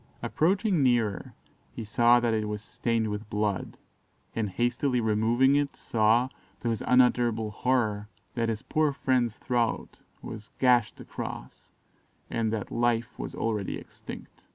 Approaching nearer he saw that it was stained with blood, and hastily removing it, saw, to his unutterable horror, that his poor friend's throat was gashed across, and that life was already extinct.